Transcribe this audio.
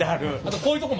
こういうとこも。